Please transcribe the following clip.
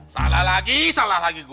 salah lagi salah lagi gue